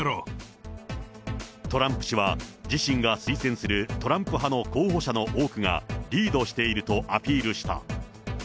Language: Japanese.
トランプ氏は、自身が推薦するトランプ派の候補者の多くがリードしているとアピールした。